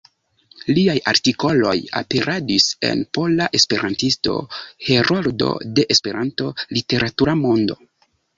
Liaj artikoloj aperadis en "Pola Esperantisto", "Heroldo de Esperanto", "Literatura Mondo".